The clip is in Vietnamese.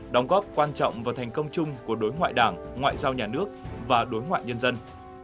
đóng góp quan trọng vào thành công chung của đối ngoại đảng ngoại giao nhà nước và đối ngoại nhân dân